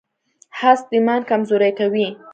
حسد ایمان کمزوری کوي.